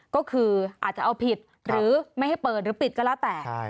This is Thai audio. ก็คืออาจจะเอาผิดหรือไม่ให้เปิดหรือปิดก็แล้วแต่